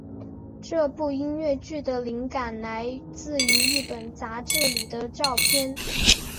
这部音乐剧的灵感来自于一本杂志里的照片。